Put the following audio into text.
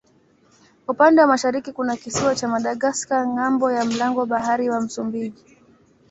Upande wa mashariki kuna kisiwa cha Madagaska ng'ambo ya mlango bahari wa Msumbiji.